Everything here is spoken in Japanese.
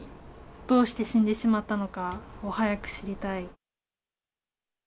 どうして死んでしまったのかを早く知りたい。